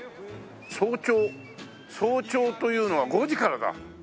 早朝早朝というのは５時からだ。